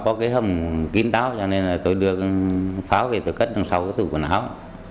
có cái hầm kín đáo cho nên là tôi đưa pháo về tôi cất đằng sau cái tủ quần áo